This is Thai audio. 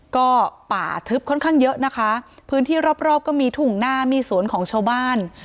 ก็ป่าทึบค่อนข้างเยอะนะคะพื้นที่รอบรอบก็มีถุงหน้ามีสวนของชาวบ้าน